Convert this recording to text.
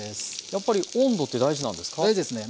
やっぱり温度って大事なんですか？